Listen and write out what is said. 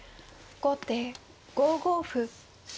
後手５五歩。